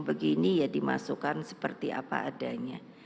begini ya dimasukkan seperti apa adanya